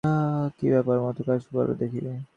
কি বোকার মত কাজ বলো দেখি!